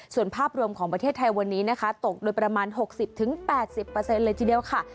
ส่วนภาพรวมของประเทศไทยวันนี้นะคะตกโดยประมาณ๖๐๘๐เลยทีเดียวค่ะ